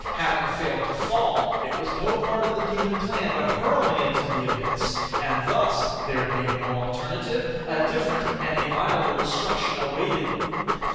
Having failed to fall, it was no part of the demon plan to hurl me into the abyss; and thus (there being no alternative) a different and a milder destruction awaited me.